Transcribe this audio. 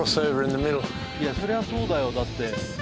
そりゃそうだよだって。